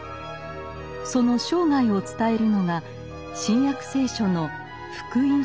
その生涯を伝えるのが「新約聖書」の「福音書」です。